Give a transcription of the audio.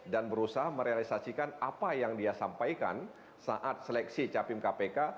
dan berusaha merealisasikan apa yang dia sampaikan saat seleksi capim kpk